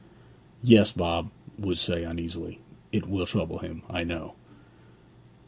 'Yes,' Bob would say uneasily. 'It will trouble him, I know.'